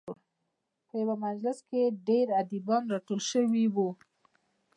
په یوه مجلس کې ډېر ادیبان راټول شوي وو.